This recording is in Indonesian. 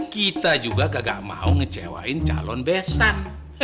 kita juga gak mau ngecewain calon besar